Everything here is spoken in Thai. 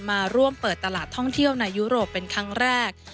มาร่วมเปิดตลาดท่องเที่ยวในยุโรปเป็นครั้งแรก